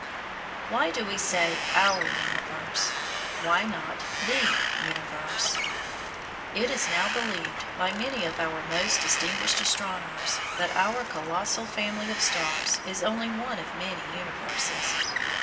Why do we say "our universe"? Why not the universe? It is now believed by many of our most distinguished astronomers that our colossal family of stars is only one of many universes.